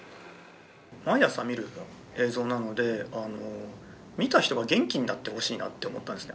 毎朝見る映像なので見た人が元気になってほしいなって思ったんですね。